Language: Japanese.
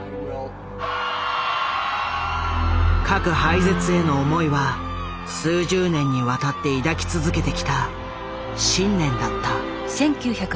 核廃絶への思いは数十年にわたって抱き続けてきた信念だった。